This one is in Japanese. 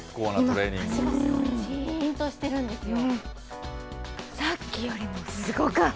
足がじーんとしてるんですよ。